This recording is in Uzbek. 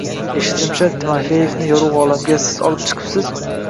Eshitishimcha, Timofeevni yorugʻ olamga siz olib chiqibsiz.